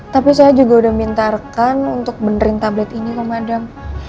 tapi saya juga udah mintarkan untuk benerin tablet ini kok madam